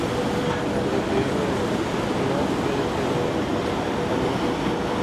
Durante el periodo estival, puede ser muy caluroso.